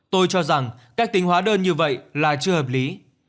tôi cho rằng cách tính hóa đơn như vậy là chưa hợp lý